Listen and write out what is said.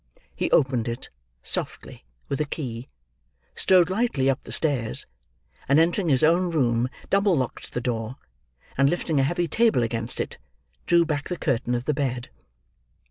He opened it, softly, with a key; strode lightly up the stairs; and entering his own room, double locked the door, and lifting a heavy table against it, drew back the curtain of the bed.